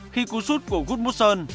khi cú sút của guttmusser